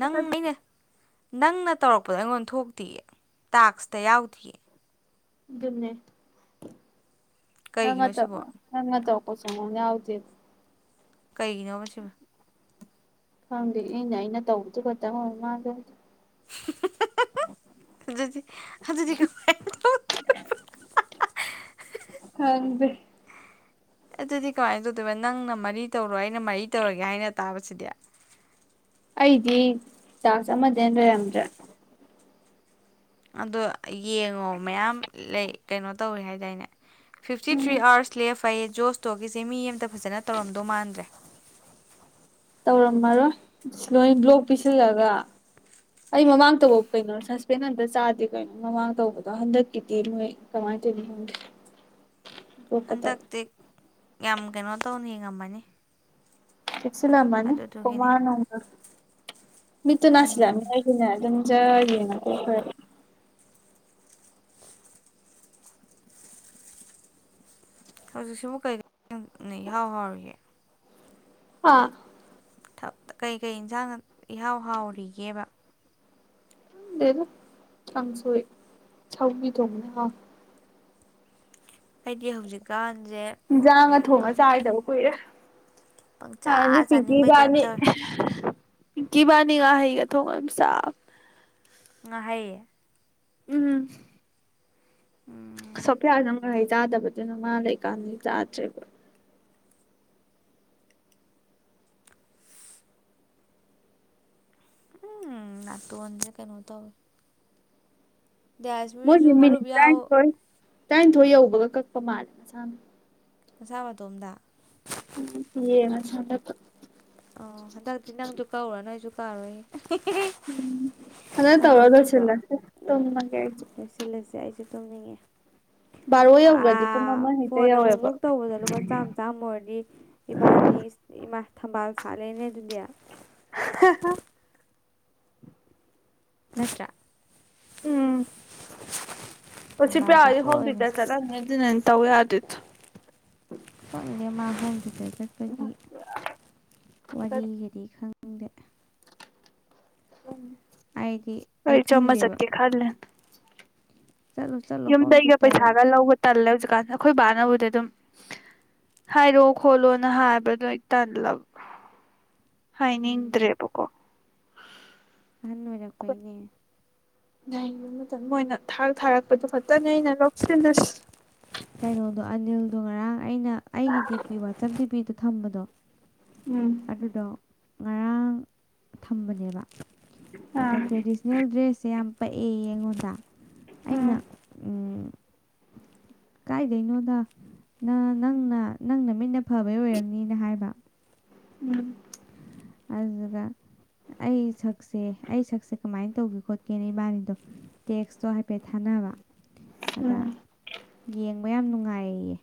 ꯅꯪ ꯑꯩꯅ ꯅꯪꯅ ꯇꯧꯔꯛꯄꯗꯣ ꯑꯩꯉꯣꯟꯗ ꯊꯣꯛꯇꯤꯌꯦ ꯇꯥꯛꯁꯇ ꯌꯥꯎꯗꯤꯌꯦ ꯑꯗꯨꯅꯦ ꯅꯪꯅ ꯀꯩꯒꯤꯅꯣ ꯇꯧ ꯁꯤꯕꯣ ꯅꯪꯅ ꯇꯧ ꯄꯣꯁ ꯑꯝꯐꯥꯎ ꯌꯥꯎꯗꯦ ꯀꯩꯒꯤꯅꯣꯕ ꯁꯤꯕꯨ ꯈꯪꯗꯦ ꯑꯩꯅ ꯑꯩꯅ ꯇꯧꯕꯗꯨ ꯈꯛꯇꯪ [unintelligible] ꯍꯨ ꯍꯨ ꯍꯥꯍꯥ ꯍꯥ ꯑꯗꯨꯗꯤ ꯑꯗꯨꯗꯤ ꯀꯃꯥꯏ ꯇꯧꯊꯧ ꯖꯥꯍꯥ ꯍꯥꯍ ꯍꯥ ꯈꯪꯗꯦ ꯑꯗꯨꯗꯤ ꯀꯃꯥꯏꯅ ꯇꯧꯗꯣꯏꯕ ꯅꯪꯅ ꯃꯔꯤ ꯇꯧꯔꯣ ꯑꯩꯅ ꯃꯔꯤ ꯇꯧꯔꯒꯦ ꯍꯥꯏꯅ ꯇꯥꯕꯁꯤꯗꯤ ꯑꯩꯗꯤ ꯇꯥꯛꯁ ꯑꯃꯗꯩ ꯍꯦꯟꯅ ꯂꯩꯔꯝꯗ꯭ꯔꯦ ꯑꯗꯣ ꯌꯦꯡꯉꯣ ꯃꯌꯥꯝ ꯂꯩ ꯀꯩꯅꯣ ꯇꯧꯋꯦ ꯍꯥꯏꯗꯥꯏꯅꯦ ꯐꯤꯐꯇꯤ ꯊ꯭ꯔꯤ ꯑꯋꯥꯋꯔꯁ ꯂꯦꯐ ꯑꯌꯦ ꯖꯣꯁꯇꯣꯒꯤꯁꯦ ꯃꯤ ꯑꯃꯇ ꯐꯖꯅ ꯇꯧꯔꯝꯗꯧ ꯃꯥꯟꯗ꯭ꯔꯦ ꯇꯧꯔꯝꯃꯔꯣꯏ ꯂꯣꯏ ꯕ꯭ꯂꯣꯛ ꯄꯤꯁꯤꯜꯂꯒ ꯑꯩ ꯃꯃꯥꯡ ꯇꯧꯕ ꯀꯩꯅꯣ ꯁꯁꯄꯦꯟ ꯑꯝꯇ ꯆꯥꯗꯦ ꯀꯩꯅꯣ ꯃꯃꯥꯡ ꯇꯧꯕꯗꯣ ꯍꯟꯗꯛꯀꯤꯗꯤ ꯅꯣꯏ ꯀꯃꯥꯏꯅ ꯇꯩꯅꯣ ꯈꯪꯗꯦ ꯕ꯭ꯂꯣꯛꯀ ꯇꯧꯋꯦ ꯍꯟꯗꯛꯇꯤ ꯌꯥꯝ ꯀꯩꯅꯣ ꯇꯧꯅꯤꯉꯝꯃꯅꯤ ꯁꯤꯜꯂꯝꯃꯅꯤ ꯀꯣꯃ ꯅꯣꯡꯃ ꯃꯤꯠꯇꯨ ꯎꯝ ꯅꯥꯁꯤꯜꯂꯛꯑꯃꯦ ꯑꯩꯒꯤꯅꯦ ꯑꯗꯨꯝ ꯖꯔ ꯌꯦꯡꯉ ꯇꯣꯛꯈ꯭ꯔꯦꯕ ꯍꯧꯖꯤꯛ ꯁꯤꯕꯨ ꯀꯩ [unintelligible] ꯏꯍꯥꯎ ꯍꯥꯎꯔꯤꯒꯦ ꯑꯥ ꯊ ꯇ ꯀꯩꯀꯩ ꯏꯟꯁꯥꯡꯅ ꯏꯍꯥꯎ ꯍꯥꯎꯔꯤꯒꯦꯕ ꯈꯪꯗꯦꯗ ꯀꯥꯡꯁꯣꯏ ꯁꯧꯒ꯭ꯔꯤ ꯊꯣꯡꯕꯅ ꯍꯥꯎꯏ ꯑꯩꯗꯤ ꯍꯧꯖꯤꯛꯀꯥꯟ ꯏꯟꯁꯥꯡꯒ ꯊꯣꯡꯉ ꯆꯥꯒꯤꯗꯕ ꯀꯨꯏꯔꯦ ꯄꯪꯆꯥ ꯍꯥꯟꯗꯤ ꯄꯤꯀꯤ ꯆꯥꯅꯤꯡꯕꯩ ꯇꯥꯏꯞ ꯏꯕꯥꯅꯤ ꯇꯧꯋꯦ ꯒꯤꯕꯥꯅꯤ ꯉꯥꯍꯤ ꯑꯊꯣꯡꯕ ꯌꯥꯝ ꯆꯥ ꯉꯍꯩ ꯎꯝ ꯎꯝ ꯁꯣꯐꯌꯥꯅ ꯉꯥꯍꯩ ꯆꯥꯗꯕꯗꯨꯅ ꯃꯥ ꯂꯩꯀꯟꯗ ꯆꯥꯗ꯭ꯔꯦꯕ ꯎꯝ ꯅꯇꯣꯟꯖꯦ ꯀꯩꯅꯣꯝ ꯇꯧꯔꯦ ꯃꯣꯏ ꯃꯔꯨꯞ ꯃꯤꯅꯤꯠ ꯌꯥꯎ ꯇꯔꯥꯇꯧꯏ ꯇꯔꯥꯅꯤꯊꯣꯏ ꯌꯧꯕꯒ ꯀꯛꯄ ꯃꯥꯜꯂꯦ ꯃꯁꯥꯅ ꯃꯁꯥ ꯃꯇꯣꯝꯗ [unintelligible] ꯑꯣ ꯍꯟꯗꯛꯇꯤ ꯅꯪꯁꯨ ꯀꯥꯛꯎꯔꯅꯨ ꯑꯩꯁꯨ ꯇꯥꯔꯣꯏ ꯍꯟꯗꯛ ꯌꯝ ꯇꯧꯔ ꯅꯣꯛꯅꯤꯡꯗ꯭ꯔꯣ ꯂꯣꯏꯁꯤꯜꯂꯁꯤ ꯇꯨꯝꯃꯒꯦ ꯑꯩꯁꯨ ꯂꯣꯏꯁꯤꯜꯂꯁꯦ ꯑꯩ ꯇꯝꯅꯤꯡꯉꯦ ꯕꯥꯔꯣ ꯌꯧꯒ꯭ꯔꯗꯤ ꯄꯨꯡ ꯑꯥ ꯑꯃ ꯍꯦꯛꯇ ꯐꯣꯟ ꯌꯧꯋꯦꯕ ꯑꯃꯨꯛꯃꯨꯛ ꯇꯧꯕꯗ ꯂꯨꯄꯥ ꯆꯥꯝꯃ ꯆꯥꯝꯃ ꯑꯣꯏꯔꯗꯤ ꯏꯕꯥꯅꯤ ꯊꯝꯕꯥꯜ ꯊꯂꯦꯅꯦ ꯑꯗꯨꯗꯤ ꯅꯠꯇ꯭ꯔ ꯎꯝ ꯆꯦ ꯄꯤꯌꯥ ꯊꯝꯕꯥꯜꯗꯤ ꯍꯣꯏꯗꯤ ꯁꯣꯏꯅ ꯍꯣꯝꯇꯨꯏꯇꯔ ꯆꯠꯂꯝꯅꯤ ꯑꯗꯨꯅꯥꯅꯤ ꯇꯧ ꯌꯥꯗ꯭ꯔꯦꯗꯣ ꯐꯪꯃꯥ ꯍꯣꯝꯇꯨꯏꯇꯔ ꯆꯠꯄꯒꯤ ꯋꯥꯔꯤꯒꯗꯤ ꯈꯪ ꯍꯗꯦ ꯎꯝ ꯑꯩꯗꯤ ꯑꯩ ꯑꯩꯖꯨ ꯈꯪꯗꯦꯕ ꯑꯃꯆꯠꯀꯦ ꯈꯥꯂꯤꯅꯦ [inaudible] ꯆꯠꯂꯣ ꯆꯠꯂꯣ ꯍꯣꯝ ꯌꯨꯃꯗꯩꯩꯒ ꯇ꯭ꯌꯨꯇꯔ ꯄꯩꯁꯒ ꯂꯧꯕ ꯇꯜꯂꯦ ꯍꯧꯖꯤꯛꯀꯟ ꯑꯩꯈꯣꯏ ꯕꯥꯅꯕꯨꯗꯤ ꯑꯗꯨꯝ ꯍꯥꯏꯔꯣ ꯈꯣꯠꯂꯣꯅ ꯍꯥꯏꯕꯗꯣ ꯑꯩ ꯇꯜꯂꯕ ꯍꯅꯤꯡꯗ꯭ꯔꯦꯕꯀꯣ ꯑꯍꯟ ꯑꯣꯏꯔꯛꯄꯩꯅꯦ ꯉꯕ [unintelligible] ꯃꯇꯝ ꯃꯣꯏꯅ ꯊꯥꯔꯛ ꯊꯥꯔꯛꯄꯗꯨ ꯈꯛꯇꯅꯦ ꯑꯩꯅ ꯂꯧꯁꯤꯜꯂꯁꯤ ꯀꯩꯅꯣꯗꯣ ꯑꯅꯤꯜꯗꯣ ꯉꯔꯥꯡ ꯑꯩꯅ ꯑꯩꯒꯤ ꯗꯤ ꯄꯤ ꯋꯥꯆꯞ ꯗꯤ ꯄꯤꯗꯨ ꯊꯝꯕꯗꯣ ꯎꯝ ꯑꯗꯨꯗꯣ ꯉꯔꯥꯡ ꯊꯝꯕꯅꯦꯕ ꯑꯗ ꯑꯥ ꯇ꯭ꯔꯦꯗꯤꯁꯅꯦꯜ ꯗ꯭ꯔꯦꯁꯁꯦ ꯌꯥꯝ ꯄꯛꯑꯦꯌꯦ ꯑꯩꯉꯣꯟꯗ ꯑꯩꯅ ꯎꯝ ꯎꯝ ꯀꯥꯏꯗꯩꯅꯣꯗ ꯅ ꯅꯪꯅ ꯅꯪ ꯅꯃꯤꯠꯅ ꯐꯕꯩ ꯑꯣꯏꯔꯝꯅꯤꯅ ꯍꯥꯏꯕ ꯎꯝ ꯑꯗꯨꯗꯨꯒ ꯑꯩ ꯁꯛꯁꯦ ꯑꯩ ꯁꯛꯁꯦ ꯀꯃꯥꯏ ꯇꯧꯒꯦ ꯈꯣꯠꯀꯦꯅ ꯏꯕꯅꯤꯗꯣ ꯇꯦꯛꯁ ꯁꯨ ꯍꯥꯏꯐꯦꯠ ꯊꯥꯅꯕ ꯑꯗꯥ ꯎꯝ ꯌꯦꯡꯕ ꯌꯥꯝ ꯅꯨꯡ ꯅꯨꯡꯉꯥꯏꯌꯦꯌꯦ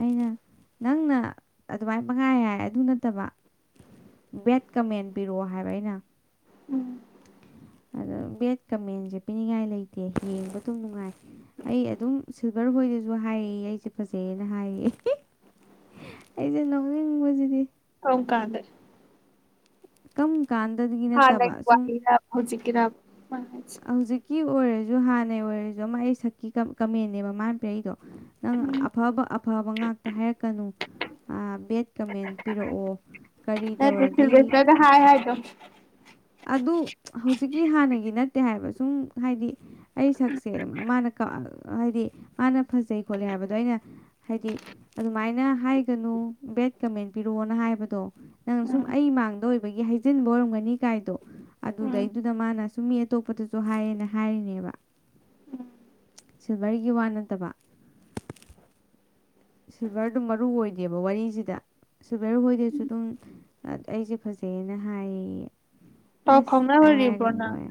ꯑꯩꯅ ꯅꯪꯅ ꯑꯗꯨꯃꯥꯏꯅ ꯄꯪꯍꯥꯏ ꯍꯥꯏ ꯑꯗꯨ ꯅꯠꯇꯕ ꯕꯦꯠ ꯀꯃꯦꯟ ꯄꯤꯔꯛꯑꯣ ꯍꯥꯏꯕ ꯑꯩꯅ ꯎꯝ ꯑꯗꯣ ꯕꯦꯠ ꯀꯃꯦꯟꯖꯦ ꯄꯤꯅꯤꯡꯉꯥꯏ ꯂꯩꯇꯦ ꯌꯦꯡꯕ ꯑꯗꯨꯝ ꯅꯨꯡꯉꯥꯏ ꯑꯩ ꯑꯗꯨꯝ ꯁꯤꯜꯚꯔ ꯍꯣꯏꯗꯁꯨ ꯍꯥꯏꯌꯦꯌꯦ ꯑꯩꯖꯦ ꯐꯖꯩꯌꯦꯅ ꯍꯥꯏꯌꯦꯌꯦ [inaudible] ꯑꯩꯖꯦ ꯅꯣꯛꯅꯤꯡꯕꯖꯤꯗꯤ ꯀꯝ ꯀꯥꯟꯗ ꯀꯝ ꯀꯥꯟꯗꯒꯤ ꯍꯥꯟꯅꯒꯤ ꯅꯠꯇꯕ ꯁꯨꯝ ꯋꯥꯍꯩꯂ ꯍꯧꯖꯤꯛ ꯀꯤꯔꯝ ꯍꯧꯖꯤꯛꯀꯤ ꯑꯣꯏꯔ ꯑꯗꯣ ꯍꯥꯟꯅꯩ ꯑꯣꯏꯔꯖꯨ ꯑꯃ ꯑꯩꯁꯛꯀꯤ ꯀ ꯀꯃꯦꯟꯅꯦꯕ ꯃꯥꯅ ꯄꯤꯔꯛꯏꯗꯣ ꯅꯪ ꯑꯐ ꯕ ꯑꯐꯕ ꯉꯥꯛꯇ ꯍꯥꯏꯔꯛꯀꯅꯨ ꯑꯥ ꯕꯦꯠ ꯀꯃꯦꯟ ꯄꯤꯔꯛꯑꯣ ꯀꯔꯤ ꯅꯠꯇꯦ ꯇꯧꯔꯗꯤ ꯁꯤꯜꯚꯦꯁꯇꯔꯗ ꯍꯥꯏ ꯍꯥꯏꯗꯣ ꯑꯗꯨ ꯍꯧꯖꯤꯛꯀꯤ ꯍꯥꯟꯅꯒꯤ ꯅꯠꯇꯦ ꯍꯥꯏꯕ ꯁꯨꯝ ꯍꯥꯏꯗꯤ ꯑꯩ ꯁꯛꯁꯦ ꯃꯥꯅꯀ ꯍꯥꯏꯗꯤ ꯃꯥꯅ ꯐꯖꯩ ꯈꯣꯠꯂꯦ ꯍꯥꯏꯕꯗꯣ ꯑꯩꯅ ꯍꯥꯏꯗꯤ ꯑꯗꯨꯃꯥꯏꯅ ꯍꯥꯏꯒꯅꯨ ꯕꯦꯠ ꯀꯃꯦꯟ ꯄꯤꯔꯛꯑꯣꯅ ꯍꯥꯏ ꯕꯗꯣ ꯅꯪꯅ ꯁꯨꯝ ꯎꯝ ꯑꯩ ꯃꯥꯡꯗ ꯑꯣꯏꯕꯒꯤ ꯍꯥꯏꯖꯤꯟꯕ ꯑꯣꯏꯔꯝꯒꯅꯤ ꯀꯥꯏꯗꯣ ꯎꯝ ꯑꯗꯨꯗꯩꯗꯨꯗ ꯃꯥꯅ ꯁꯨꯝꯃꯦ ꯑꯇꯣꯞꯄꯗꯁꯨ ꯍꯥꯏꯌꯦꯅ ꯍꯥꯏꯔꯤꯅꯦꯕ ꯁꯤꯜꯚꯔꯒꯤ ꯋꯥ ꯅꯠꯇꯕ ꯁꯤꯜꯚꯔꯗꯣ ꯃꯔꯨ ꯑꯣꯏꯗꯦꯕ ꯋꯥꯔꯤꯖꯤꯗ ꯁꯤꯜꯚꯔ ꯍꯣꯏꯗꯖꯨ ꯑꯗꯨꯝ ꯑ ꯑꯩꯖꯦ ꯐꯖꯩꯌꯦꯅ ꯍꯥꯏꯌꯦꯌꯦ ꯄꯥꯎ ꯑꯁ ꯑꯩ ꯐꯥꯎꯅꯔꯤꯕꯣ ꯍꯥꯏꯔꯒ ꯅꯪ ꯅꯣꯛꯑꯦ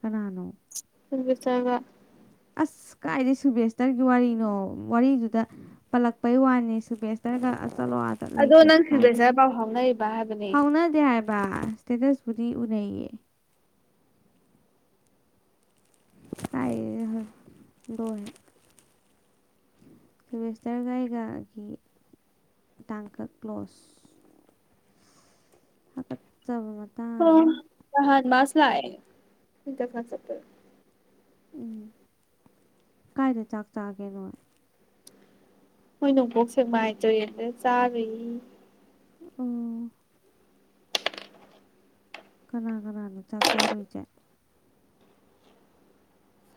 ꯀꯅꯥꯅꯣ ꯁꯨꯕꯦꯁꯇꯔꯒ ꯑꯁ ꯀꯥꯏꯗꯩ ꯁꯨꯕꯦꯁꯇꯔꯒꯤ ꯋꯥꯔꯤꯅꯣ ꯋꯥꯔꯤꯗꯨꯗ ꯄꯜꯂꯛꯄꯩ ꯋꯥꯅꯦ ꯁꯨꯕꯦꯁꯇꯔꯒ ꯑ ꯑꯗꯣ ꯅꯪ ꯁꯨꯕꯦꯁꯆꯔ ꯄꯥꯎ ꯐꯥꯎꯅꯔꯤꯕ ꯍꯥꯏꯕꯅꯦ ꯕꯥ ꯁ꯭ꯇꯦꯇꯁꯄꯨꯗꯤ ꯎꯅꯩꯌꯦ ꯀꯥꯏꯗꯩꯅꯣꯍꯦ ꯂꯣꯏꯔꯦ ꯁꯨꯚꯦꯁꯇꯔꯒ ꯑꯩꯒꯒꯤ ꯇꯥꯡꯀꯛ ꯀ꯭ꯂꯣꯁ ꯍꯥꯀꯠꯆꯕ ꯍ ꯃꯇꯥꯡ ꯅꯍꯥꯟ ꯃꯥꯁ ꯂꯥꯛꯑꯦ ꯢꯟꯇꯔꯐꯔ ꯆꯠꯄꯗ ꯎꯝ ꯀꯥꯏꯗ ꯆꯥꯛ ꯆꯥꯒꯦ ꯅꯣꯏ ꯃꯣꯏ ꯅꯣꯡꯄꯣꯛ ꯁꯦꯛꯃꯥꯢ ꯇꯨꯔꯦꯟꯗ ꯆꯥꯔꯨꯏ ꯎꯝ ꯀꯅꯥ ꯀꯅꯥꯅꯣ ꯆꯥꯛ ꯆꯔꯨꯢꯖꯦ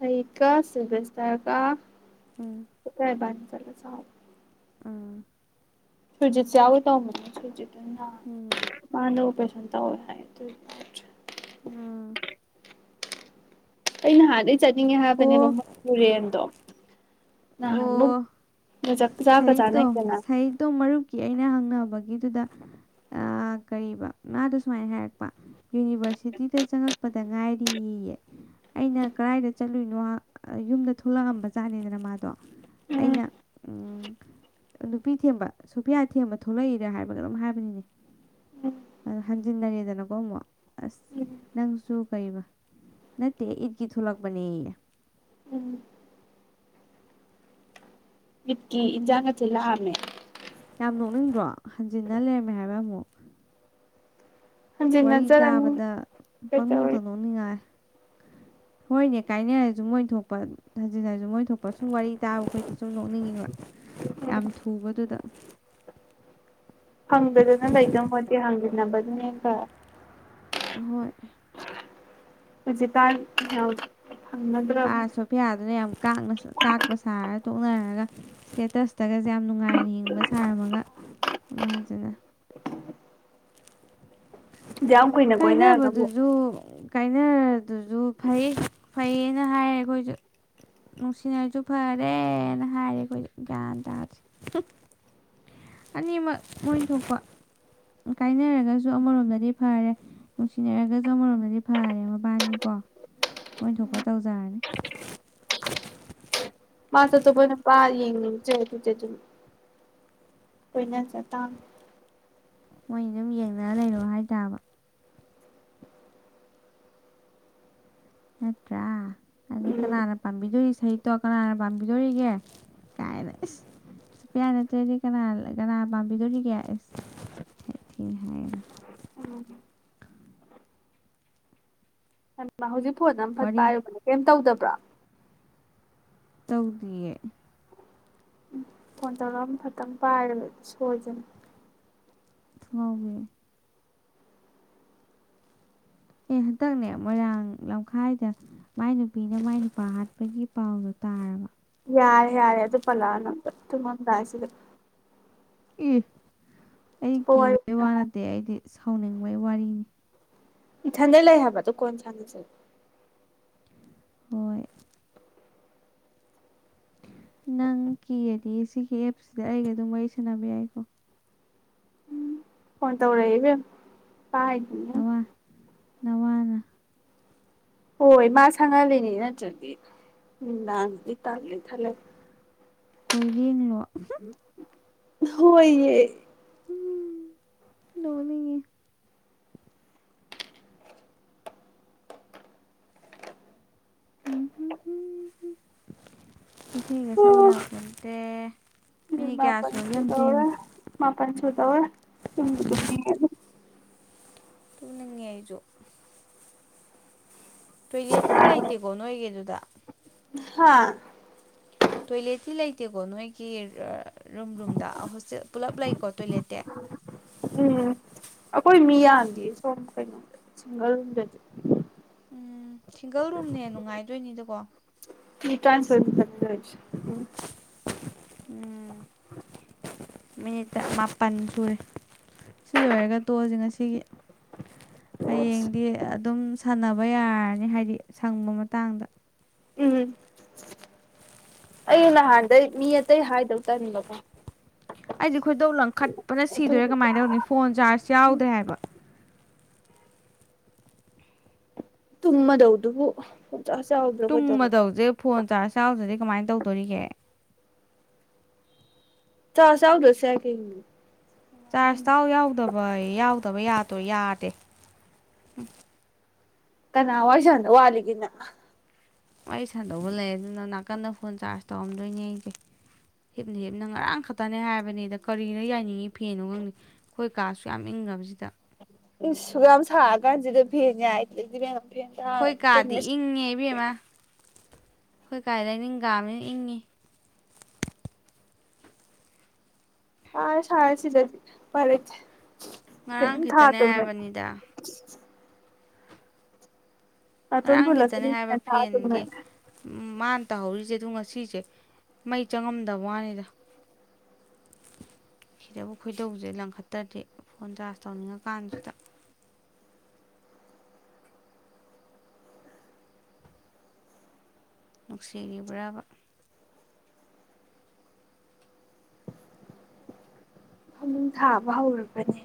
ꯑꯩꯩ ꯀ ꯁꯤꯕꯤꯁꯇꯔ ꯎꯝ ꯀꯥ ꯇꯔꯥꯅꯤꯄꯥꯟ ꯆꯠꯂ ꯆꯥꯎ ꯑꯥ ꯁꯨꯔꯖꯤꯠꯁꯨ ꯌꯥꯎꯒꯦ ꯇꯧꯔꯝꯕꯅꯦ ꯁꯨꯔꯖꯤꯠ ꯎꯝ ꯃꯥꯗꯣ ꯄꯩꯁ ꯇꯧꯢ ꯍꯥꯏ ꯗꯨꯢ ꯎꯝ ꯑꯩ ꯅꯍꯥꯟꯗꯩ ꯆꯠꯅꯤꯡꯉꯦ ꯍꯥꯏꯕꯅꯦꯕ ꯑꯣ ꯃ ꯄꯨꯔꯦꯟꯗꯣ ꯑꯣ ꯆꯥꯛꯀ ꯁꯍꯤꯠꯇꯣ ꯆꯥꯅꯩꯗꯅ ꯁꯍꯤꯠꯗꯣ ꯃꯔꯨꯞꯀꯤ ꯑꯩꯅ ꯍꯪꯅꯕ ꯕꯒꯤꯗꯨꯗ ꯑꯥ ꯀꯩꯕ ꯑ ꯃꯥꯗꯣ ꯁꯨꯃꯥꯢ ꯍꯥꯢꯔꯛꯄ ꯌꯨꯅꯤꯚꯔꯁꯤꯇꯤꯗ ꯆꯛꯉꯛꯄꯗ ꯉꯥꯏꯔꯤꯌꯦ ꯑꯩꯅ ꯀꯗꯥꯏꯗ ꯆꯠꯂꯨꯢꯅꯣ ꯑ ꯌꯨꯝꯗ ꯊꯣꯛꯂꯛꯑꯝꯕꯖꯥꯠꯅꯤꯗꯅ ꯃꯥ ꯎꯝ ꯑꯩꯅ ꯎꯝ ꯅꯨꯄꯤ ꯊꯦꯝꯕ ꯁꯣꯐꯤꯌꯥ ꯊꯦꯝꯕ ꯊꯣꯛꯂꯛꯏꯔ ꯍꯥꯏꯕꯒ ꯀꯩꯅꯣꯝ ꯍꯥꯏꯕꯅꯤꯅꯦ ꯑ ꯍꯟꯖꯤꯟꯅꯔꯦꯗꯅꯀꯣ ꯑꯃꯨꯛ ꯑꯁ ꯎꯝ ꯅꯪꯁꯨ ꯀꯩꯕ ꯅꯠꯇꯦ ꯏꯠꯀꯤ ꯊꯣꯛꯂꯛꯄꯅꯦꯌꯦ ꯎꯝ ꯏꯠꯀꯤ ꯏꯟꯖꯥꯡꯒ ꯊꯤꯟ ꯂꯥꯛꯑꯝꯃꯦ ꯌꯥꯝ ꯅꯣꯛꯅꯤꯡꯗ꯭ꯔꯣ ꯍꯟꯖꯤꯟꯅ ꯂꯩꯔꯝꯃꯦ ꯍꯥꯏꯕ ꯑꯃꯨꯛ ꯋꯥꯔꯤ ꯍꯟꯖꯤꯟꯅꯖꯔꯅꯤ ꯇꯥꯕꯗ ꯄꯪꯅꯣꯛꯇ ꯀꯩꯗꯧꯔꯤ ꯅꯣꯛꯅꯤꯡꯉꯥꯏ ꯍꯣꯏꯅꯦ ꯀꯥꯏꯅꯔꯁꯨ ꯃꯣꯏ ꯊꯣꯛꯄ ꯍꯟꯖꯤꯟꯅꯔꯁꯨ ꯃꯣꯏ ꯊꯣꯛꯄ ꯁꯨꯝ ꯋꯥꯔꯤ ꯇꯥꯕꯈꯣꯢꯗꯤ ꯁꯨꯝ ꯅꯣꯛꯅꯤꯡꯉꯤꯕ ꯌꯥꯝ ꯊꯨꯕꯗꯨꯗ ꯍꯪꯗꯗꯅ ꯂꯩꯗꯧ ꯄꯣꯠꯇꯤ ꯍꯪ ꯅꯕꯗꯨꯅꯦ ꯀ ꯍꯣꯏ ꯍꯧꯖꯤ ꯇ ꯍ ꯑꯥ ꯁꯣꯐꯤꯌꯥꯗꯨꯅ ꯌꯥꯝ ꯀꯥꯛꯅꯁꯨ ꯀꯥꯛꯄ ꯁꯥꯔ ꯇꯣꯛꯅꯔꯒ ꯁ꯭ꯇꯦꯇꯁꯇꯒꯁꯦ ꯌꯥꯝ ꯅꯨꯡꯉꯥꯏꯅ ꯍꯤꯡꯕ ꯁꯥꯔꯝꯃꯒ ꯑꯃꯨꯛ ꯍꯟꯖꯤꯟꯅ ꯑꯗꯨꯌꯥꯝ ꯀꯨꯏꯅ ꯀꯣꯏꯅꯔꯒꯕꯨ ꯀꯥꯏꯅꯕꯗꯨꯁꯨ ꯀꯥꯏꯅꯔꯗꯨꯁꯨ ꯐꯩ ꯐꯩꯌꯦꯅ ꯍꯥꯏꯔꯦ ꯑꯩꯈꯣꯏꯁꯨ ꯅꯨꯡꯁꯤꯅꯔꯁꯨ ꯐꯔꯦꯅ ꯍꯥꯏꯔꯦ ꯑꯩꯈꯣꯏꯖꯨ ꯒ꯭ꯌꯥꯟ ꯇꯥꯗ꯭ꯔꯦ ꯍꯝ ꯑꯅꯤꯃꯛ ꯃꯣꯏꯟ ꯊꯣꯛꯄ ꯀꯥꯏꯅꯔꯒꯁꯨ ꯑꯃꯔꯣꯝꯗꯗꯤ ꯐꯔꯦ ꯅꯨꯡꯁꯤꯅꯔꯒꯁꯨ ꯑꯃꯔꯣꯝꯗꯗꯤ ꯐꯔꯦ ꯃꯕꯥꯟꯅꯤꯀꯣ ꯃꯣꯏ ꯊꯣꯛꯄ ꯇꯧꯖꯔꯅꯤ ꯃꯥꯁꯨ ꯑꯇꯣꯞꯄ ꯅꯨꯄꯥ ꯌꯦꯡꯅꯤꯡ ꯆꯦ ꯗꯨꯗꯤ ꯑꯗꯨꯝ ꯀꯣꯢꯅꯖ ꯇꯥꯝꯅꯤ ꯃꯣꯏꯅꯤ ꯑꯗꯨꯝ ꯌꯦꯡꯅꯔ ꯂꯩꯔꯣ ꯍꯥꯏ ꯇꯕ ꯅꯠꯇ꯭ꯔꯥ ꯑꯗꯨ ꯎꯝ ꯀꯅꯥꯅ ꯄꯥꯝꯕꯤꯗꯣꯔꯤ ꯁꯍꯤꯠꯇꯣ ꯀꯅꯥꯅ ꯄꯥꯝꯕꯤꯗꯣꯔꯤꯒꯦ ꯀꯥꯏꯅ ꯢꯁ ꯁꯨꯞꯄ꯭ꯔꯤꯌꯥ ꯅꯠꯇ꯭ꯔꯗꯤ ꯀꯅꯥ ꯀꯅꯥꯅ ꯄꯥꯝꯕꯤꯗꯣꯔꯤꯒꯦ ꯑꯁ ꯍꯥꯏ ꯍꯥꯏꯌꯦ ꯎꯝ ꯍ ꯃꯥꯍꯨꯖꯤ ꯐꯣꯟ ꯑꯃ ꯐꯠ ꯋꯥꯔꯤ ꯄꯥꯏꯔꯨꯕꯅꯦ ꯀꯦꯝ ꯇꯧꯗ ꯇꯥ ꯇꯧꯗꯤꯌꯦ ꯎꯝ ꯐꯣꯟ ꯇꯧꯔꯝ ꯈꯇꯪ ꯄꯥꯏꯔꯒ ꯁꯣꯏꯗꯅ ꯊꯨꯉꯥꯎꯕꯤ ꯑꯦ ꯍꯟꯇꯛꯅꯦ ꯃꯣꯏꯔꯥꯡ ꯂꯝꯈꯥꯏꯗ ꯃꯥꯏ ꯅꯨꯄꯤꯅ ꯃꯥꯏ ꯅꯨꯄꯥ ꯍꯥꯠꯄꯒꯤ ꯄꯥꯎꯗꯣ ꯇꯥꯔꯕ ꯌꯥꯔꯦ ꯌꯥꯔꯦ ꯑꯗꯨ ꯄꯜꯂꯛ ꯑꯅꯣ ꯑꯝꯇꯥ ꯊꯨꯃꯝꯗꯥꯢꯁꯤꯗ ꯢ ꯄꯣꯢꯞ ꯊꯝꯃꯣ ꯁꯥꯎꯅꯤꯡꯕꯩ ꯋꯥꯔꯤꯅꯤ ꯏꯊꯟꯗ ꯂꯩ ꯍꯥꯏꯕꯗꯣ ꯀꯣꯟ ꯁꯥꯟꯅꯁꯦ ꯍꯣꯏ ꯅꯪ ꯀꯤꯔꯗꯤ ꯁꯤꯒꯤ ꯑꯦꯞꯁꯤꯗ ꯑꯩꯒ ꯑꯗꯨꯝ ꯋꯥꯔꯤ ꯁꯥꯟꯅꯕ ꯌꯥꯏꯀꯣ ꯎꯝ ꯐꯣꯟ ꯇꯧꯔꯛꯑꯦ ꯢꯕꯦꯝꯃꯥ ꯄꯥꯢꯗꯤꯉꯨ ꯅꯋꯥ ꯅꯋꯥꯅ ꯍꯣꯏ ꯃꯥ ꯁꯪꯍꯜꯂꯤꯅꯤ ꯅꯠꯇ꯭ꯔꯗꯤ ꯅꯨꯃꯤꯗꯥꯡꯁꯤꯗꯤ ꯇꯜꯂꯤ ꯢꯇꯟ ꯂꯩ ꯀꯣꯏꯔꯦꯡꯂꯣ ꯎꯍꯝ ꯍꯝ ꯍꯣꯏꯌꯦ ꯅꯣꯛꯅꯤꯡꯉꯤ ꯢꯁꯤꯡꯒ ꯊꯛꯑꯣ ꯑꯣ ꯌꯥꯄꯣꯟꯇꯦ ꯃꯤꯅꯤꯠ ꯀꯌꯥ ꯃꯥꯄꯥꯟ ꯁꯨꯔꯒꯦ ꯑꯝꯇ ꯁꯨꯗꯧꯔꯦ ꯌꯦꯡꯉꯨ ꯃꯥꯄꯥꯟ ꯁꯨꯗꯧꯔꯦ ꯊꯨꯝꯕꯨ ꯊꯨꯝꯅꯤꯡ ꯉꯤꯗ ꯇꯨꯝꯅꯤꯡꯉꯦ ꯑꯩꯖꯨ ꯇꯣꯏꯂꯦꯠꯇꯤ ꯂꯩꯇꯦꯀꯣ ꯅꯣꯏꯒꯤꯗꯨꯗ ꯍꯥꯥ ꯇꯣꯏꯂꯦꯠꯇꯤ ꯂꯩꯇꯦꯀꯣ ꯅꯣꯏꯒꯤ ꯔꯨꯝ ꯔꯨꯝꯗ ꯍꯣꯁꯇꯦꯜ ꯄꯨꯂꯞ ꯂꯩꯀꯣ ꯇꯣꯏꯂꯦꯠꯇꯤ ꯎꯝ ꯑꯩꯈꯣꯏ ꯃꯤꯌꯥꯝꯗꯤꯌꯦ ꯁꯣꯝ ꯀꯩꯅꯣꯗ ꯁꯤꯡꯒꯜꯗꯗꯤ ꯎꯝ ꯁꯤꯡꯒꯜ ꯔꯨꯝꯅ ꯍꯦꯟꯅ ꯅꯨꯡꯉꯥꯏꯗꯣꯏꯅꯤꯗꯀꯣ ꯃꯤ ꯇꯔꯥꯅꯤꯇꯣꯢ ꯃꯨꯛꯇꯅꯤꯗ ꯂꯩꯔꯤꯁꯦ ꯎꯝ ꯎꯝ ꯃꯤꯅꯤꯠꯇ ꯇ ꯃꯥꯄꯟ ꯁꯨꯔꯦ ꯁꯤ ꯂꯣꯏꯔꯒ ꯇꯣꯛꯑꯁꯦ ꯉꯥꯁꯤꯒꯤ ꯍꯌꯦꯡꯗꯤ ꯑꯗꯨꯝ ꯁꯥꯟꯅꯕ ꯍꯣꯢ ꯌꯥꯔꯅꯤ ꯍꯥꯏꯗꯤ ꯁꯪꯕ ꯃꯇꯥꯡꯗ ꯎꯝ ꯑꯩ ꯅꯍꯥꯟꯗꯩ ꯃꯤ ꯑꯇꯩ ꯍꯥꯏꯗꯧ ꯇꯟꯕꯀꯣ ꯑꯩꯗꯤ ꯈꯣꯏꯗꯧ ꯂꯪꯈꯠꯄꯅ ꯁꯤꯗꯧꯔꯦ ꯑꯗꯨꯒꯤ ꯀꯃꯥꯏꯅ ꯇꯧꯅꯤ ꯐꯣꯟ ꯆꯥꯔꯖ ꯌꯥꯎꯗ꯭ꯔꯦ ꯍꯥꯏꯕ ꯇꯨꯝꯃꯗꯧꯗꯨꯕꯨ ꯆꯥꯎꯗ꯭ꯔ ꯀꯩꯗꯧꯕ ꯇꯨꯝꯃꯗꯧꯁꯦ ꯐꯣꯟ ꯆꯥꯔꯖ ꯌꯥꯎꯗ꯭ꯔꯥꯗꯤ ꯀꯃꯥꯏꯅ ꯇꯧꯗꯣꯔꯤꯒꯦ ꯆꯥꯔꯖ ꯌꯥꯎꯗ꯭ꯔꯥꯁꯨ ꯌꯥꯢ ꯀꯩꯅꯣ ꯆꯥꯔꯖ ꯇꯥꯎ ꯌꯥꯎꯗꯕ ꯍꯣꯏ ꯌꯥꯎꯗꯕ ꯌꯥꯗꯣꯏ ꯌꯥꯗꯦ ꯎꯝ ꯀꯅꯥꯋꯥꯔꯤ ꯁꯥꯅꯗꯧ ꯋꯥꯠꯂꯤꯒꯦꯅꯪ ꯋꯥꯔꯤ ꯁꯥꯗꯧꯕ ꯂꯩ ꯑꯗꯨꯅ ꯅꯥꯀꯟꯗ ꯐꯣꯟ ꯆꯥꯔꯖ ꯇꯧꯔꯝꯗꯣꯏꯅꯦ ꯑꯩꯗꯤ ꯍꯤꯞꯅ ꯍꯤꯞꯅ ꯉꯔꯥꯡ ꯈꯛꯇꯅꯦ ꯍꯥꯏꯕꯅꯤꯗ ꯀꯔꯤꯗ ꯌꯥꯏꯅꯤꯡꯉꯤ ꯐꯦꯟꯅꯣ ꯈꯪꯗꯦ ꯑꯩꯈꯣꯏ ꯀꯥ ꯑꯁꯨꯛ ꯌꯥꯝ ꯏꯪꯈ꯭ꯔꯕꯁꯤꯗ ꯏꯁ ꯁꯨꯛꯌꯥꯝ ꯁꯥꯔꯀꯥꯟꯁꯤꯗ ꯐꯦꯟ ꯌꯥꯏꯗꯗꯤ ꯏꯕꯦꯝ ꯑꯩꯈꯣꯏ ꯀꯥꯗꯤ ꯏꯪꯉꯦ ꯏꯕꯦꯝꯃ ꯑꯩꯈꯣꯏ ꯀꯥ ꯂꯩꯅꯤꯟꯀꯥꯕꯅꯤꯅ ꯏꯪꯉꯤ ꯁꯥꯔꯦ ꯁꯥꯔꯦ ꯁꯤꯗꯗꯤ ꯎꯄꯥꯏ ꯂꯩꯇꯦ ꯉꯔꯥꯡ ꯀꯩꯅꯣꯝ ꯈꯤꯇꯅꯦ ꯊꯥꯗꯧꯅꯦ ꯍꯥꯏꯕꯅꯤꯗ ꯅꯥꯇꯣꯟ ꯉꯔꯥꯡ ꯐꯨꯜꯂꯁꯨ ꯑꯗꯨꯝ ꯐꯦꯟ ꯊꯥꯔ ꯇꯨꯝꯃꯦ ꯎꯝ ꯃꯥꯅ ꯇꯍꯧꯔꯤꯁꯦ ꯑ ꯉꯁꯤꯁꯦ ꯃꯩ ꯆꯪꯉꯝꯗꯕ ꯋꯥꯅꯤꯗ ꯁꯤꯗꯕꯨ ꯈꯣꯏꯗꯧꯁꯦ ꯂꯪꯈꯠꯇ꯭ꯔꯗꯤ ꯐꯣꯟ ꯆꯥꯥꯔꯁ ꯇꯧꯅꯤꯡꯉꯀꯥꯟꯁꯤꯗ ꯅꯨꯡꯁꯤꯔꯤꯕ꯭ꯔꯕ ꯊꯥꯕꯥ ꯍꯧꯔꯒꯗꯤ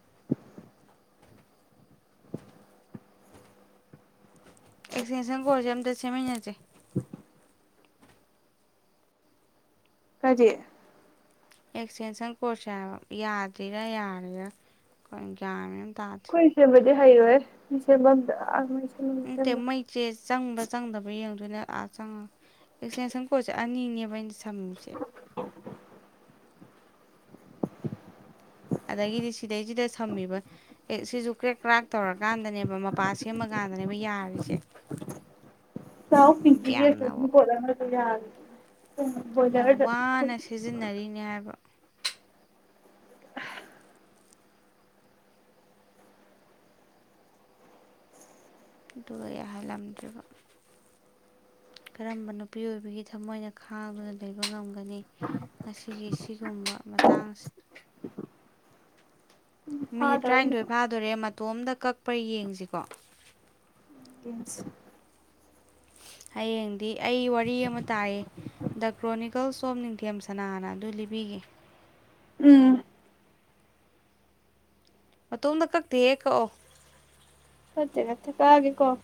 [inaudible] ꯑꯦꯛꯁꯇꯦꯟꯁꯟ ꯀꯣꯠꯁꯦ ꯑꯝꯇ ꯁꯦꯝꯃꯤꯟꯅꯁꯦ [inaudible] ꯀꯔꯤ ꯑꯦꯛꯁꯇꯦꯟꯁꯟ ꯀꯣꯔꯠꯁꯦ ꯍꯥꯏꯕ ꯌꯥꯗ꯭ꯔꯤꯔꯥ ꯌꯥꯔꯤꯔꯥ ꯀꯩꯅꯣ ꯒ꯭ꯌꯥꯟ ꯃꯦꯟ ꯑꯃ ꯇꯥꯗ꯭ꯔꯦ ꯈꯣꯏ ꯁꯦꯝꯃꯦ ꯍꯩꯔꯣꯏꯍꯦ ꯁꯦꯝꯐꯝꯗ ꯑꯥ ꯁꯦꯝꯕ ꯎ ꯇꯦ ꯁꯦꯝꯕ ꯃꯩꯆꯦꯁ ꯆꯪꯕ ꯆꯪꯗꯕ ꯌꯦꯡꯗꯣꯏꯅꯦ ꯑꯥ ꯆꯪꯉ ꯑꯦꯛꯁꯇꯦꯟꯁꯟ ꯀꯣꯠꯁꯦ ꯑꯅꯤꯅꯦꯕ ꯑꯩꯅ ꯆ ꯊꯝꯃꯤꯁꯦ ꯑꯗꯒꯤꯗꯤ ꯁꯤꯗꯩꯁꯤꯗ ꯁꯝꯃꯤꯕ ꯑꯦ ꯁꯤꯁꯨ ꯀ꯭ꯔꯦꯛ ꯀ꯭ꯔꯥꯛ ꯇꯧꯔꯀꯥꯟꯗꯅꯦꯕ ꯄꯥ ꯁꯦꯝꯃꯀꯥꯟꯗꯅꯦꯕ ꯌꯥꯔꯤꯁꯦ ꯆꯥꯎ ꯄꯤꯟꯀꯤꯒꯤ ꯌꯥꯝꯅꯕꯨ ꯑꯦꯛꯁꯇꯦꯟꯁꯟ ꯀꯣꯔꯠ ꯑꯃ ꯌꯥꯗꯦ ꯌꯥꯝ ꯋꯥꯅ ꯁꯤꯖꯤꯟꯅꯔꯤꯅꯦ ꯍꯥꯏꯕ ꯑꯗꯨꯒ ꯌꯥꯍꯜꯂꯝꯗ꯭ꯔꯤꯕ ꯀꯔꯝꯕ ꯅꯨꯄꯤ ꯑꯣꯏꯕꯒꯤ ꯊꯃꯣꯏꯅ ꯈꯥꯡꯗꯨꯅ ꯂꯩꯕ ꯉꯝ [unintelligible] ꯃꯁꯤꯒꯤ ꯁꯤꯒꯨꯝꯕ ꯃꯇꯥꯡꯁꯤꯗ ꯃꯤꯅꯤꯠ ꯐꯥꯗꯧꯔꯦ ꯇ꯭ꯔꯥꯟꯊꯣꯏ ꯐꯥꯗꯧꯔꯦ ꯃ ꯇꯣꯝꯗ ꯀꯛꯄ ꯌꯦꯡꯁꯤꯀꯣ ꯌꯦꯁꯤ ꯍꯌꯦꯡꯗꯤ ꯑꯩ ꯋꯥꯔꯤ ꯑꯃ ꯇꯥꯏꯌꯦ ꯗ ꯀ꯭ꯔꯣꯅꯤꯀꯜꯁ ꯑꯣꯐ ꯅꯤꯡꯊꯦꯝ ꯁꯅꯥꯅ ꯑꯗꯨ ꯂꯤꯕꯤꯒꯦ ꯎꯝ ꯃꯇꯣꯝꯇ ꯀꯛꯇꯦꯍꯦ ꯀꯛꯑꯣ ꯐꯠꯇꯦ ꯅꯠꯇꯦ ꯀꯛꯑꯒꯦꯀꯣ